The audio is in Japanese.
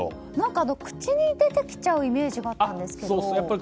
口に出てきちゃうイメージがあったんですけど。